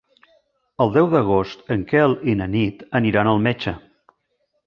El deu d'agost en Quel i na Nit aniran al metge.